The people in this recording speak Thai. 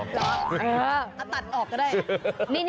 รอตัดออกก็ได้